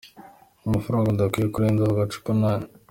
Amafaranga udakwiye kurenza ku icupa ni aya:.